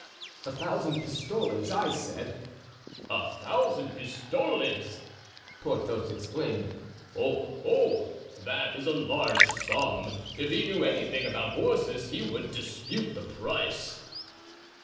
"'A thousand pistoles,' I said." "A thousand pistoles!" Porthos exclaimed. "Oh! oh! that is a large sum. If he knew anything about horses he would dispute the price."